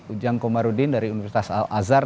ujang komarudin dari universitas al azhar